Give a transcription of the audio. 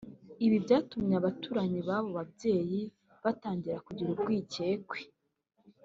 Ibi byatumye abaturanyi b’abo babyeyi batangira kugira urwikekwe